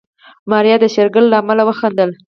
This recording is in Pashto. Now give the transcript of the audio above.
ماريا د شېرګل له عمل وخندل.